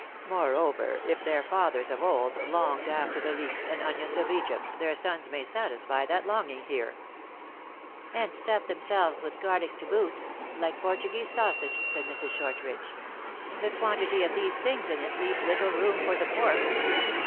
Moreover, if their fathers of old longed after the leeks and onions of Egypt, their sons may satisfy that longing here." " And stuff themselves with garlic to boot," like Portuguese sausage," said Mrs. Shortridge. " The quantity of these things in it leaves little room for the pork."